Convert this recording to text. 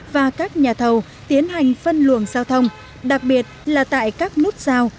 và các nhà thầu tiến hành phân luồng giao thông đặc biệt là tại các nút giao